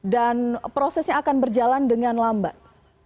dan prosesnya akan berjalan dengan lambat